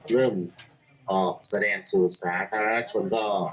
เริ่มออบแสดงศูนย์ศาตารถชนก็